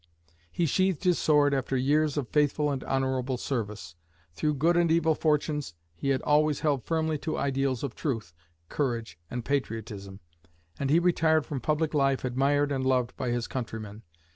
He sheathed his sword after years of faithful and honorable service. Through good and evil fortunes, he had always held firmly to ideals of truth, courage and patriotism, and he retired from public life admired and loved by his countrymen.